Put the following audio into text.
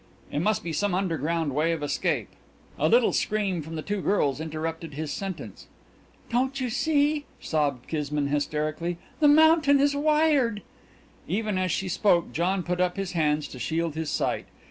"It must be some underground way of escape " A little scream from the two girls interrupted his sentence. "Don't you see?" sobbed Kismine hysterically. "The mountain is wired!" Even as she spoke John put up his hands to shield his sight.